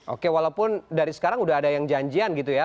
oke walaupun dari sekarang udah ada yang janjian gitu ya